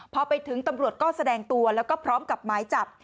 พอไปถึงตำรวจก็แสดงตัวแล้วก็พร้อมกับหมายจับ